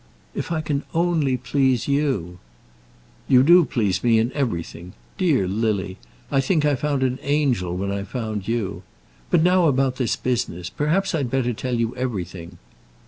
"If I can only please you " "You do please me, in everything. Dear Lily, I think I found an angel when I found you. But now about this business. Perhaps I'd better tell you everything."